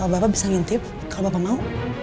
bapak bisa ngintip kalau bapak mau